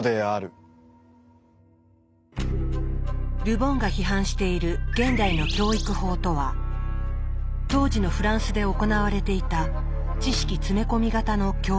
ル・ボンが批判している「現代の教育法」とは当時のフランスで行われていた知識詰め込み型の教育でした。